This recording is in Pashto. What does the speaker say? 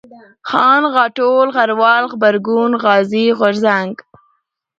خان ، غاټول ، غروال ، غبرگون ، غازي ، غورځنگ